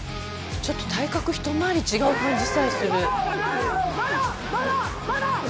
ちょっと体格一回り違う感じさえする。